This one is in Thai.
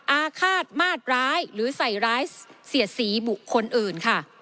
อาฆาตมาดร้ายหรือใส่ร้ายเสียดสีบุคคลอื่นค่ะ